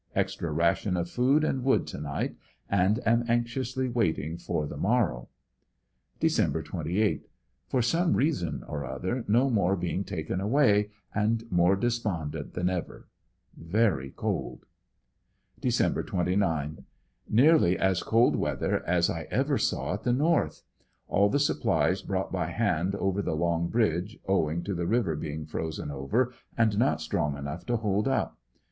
Extra ration of food and wood to night and am anxiously waiting for the mor row. Dec. 28. — For some reason or other no more being taken away and more despondent than ever. Very cold. Dec. 29.— Nearly as cold weather as I ever saw at the North. All the supplies brought by hand over the long bridge, owing to the river being frozen over and not strong enough to hold up.